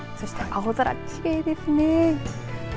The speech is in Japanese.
そして青空、きれいですね。